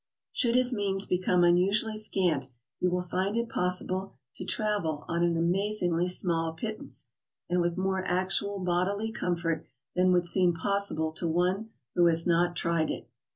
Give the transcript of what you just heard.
Should his means become unusually scant, he will find it possible to travel on an amazingly small pittance, and with more actual bodily comfort than would seem possible to one who has not tried it.